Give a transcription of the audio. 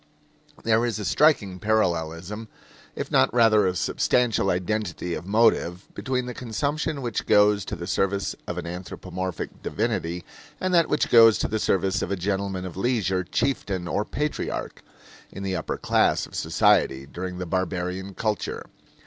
There is a striking parallelism, if not rather a substantial identity of motive, between the consumption which goes to the service of an anthropomorphic divinity and that which goes to the service of a gentleman of leisure chieftain or patriarch in the upper class of society during the barbarian culture.